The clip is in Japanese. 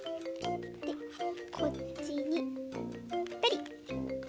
でこっちにぺたり。